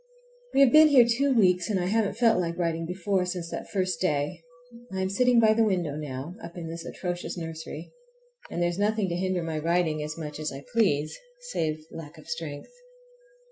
We have been here two weeks, and I haven't felt like writing before, since that first day. I am sitting by the window now, up in this atrocious nursery, and there is nothing to hinder my writing as much as I please, save lack of strength.